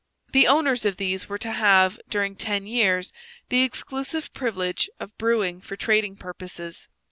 The owners of these were to have, during ten years, the exclusive privilege of brewing for trading purposes.